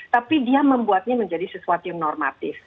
tapi dia membuatnya menjadi sesuatu yang normatif